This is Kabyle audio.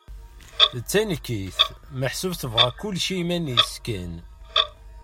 D tanekkit, meḥsub tebɣa kullec i iman-is kan.